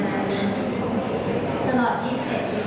และแม่เข็มให้ที่ไม่เคยผมติด